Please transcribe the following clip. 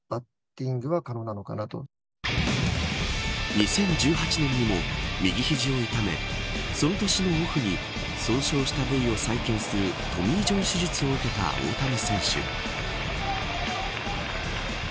２０１８年にも、右肘を痛めその年のオフに損傷した部位を再建するトミー・ジョン手術を受けた大谷選手。